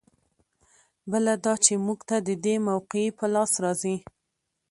بله دا چې موږ ته د دې موقعې په لاس راځي.